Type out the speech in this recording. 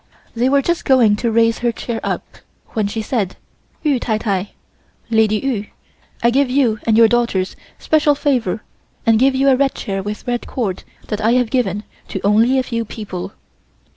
They were just going to raise her chair up when she said: "Yu tai tai (Lady Yu) I give you and your daughters special favor and give you a red chair with red cord that I have given to only a few people."